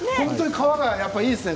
皮がいいですね